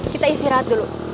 kita istirahat dulu